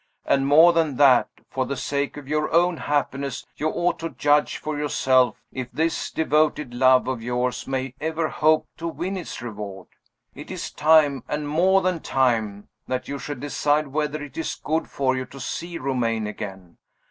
"And, more than that, for the sake of your own happiness, you ought to judge for yourself if this devoted love of yours may ever hope to win its reward. It is time, and more than time, that you should decide whether it is good for you to see Romayne again.